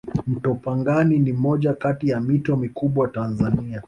mto pangani ni moja Kati ya mito mikubwa tanzania